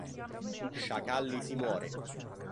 Sciacalli si muore